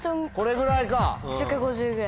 １５０ぐらい。